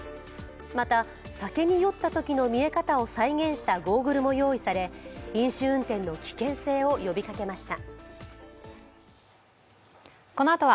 また、酒に酔ったときの見え方を再現したゴーグルも用意され、飲酒運転の危険性を呼びかけました。